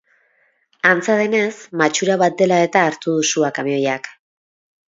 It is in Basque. Antza denez, matxura bat dela eta hartu du sua kamioiak.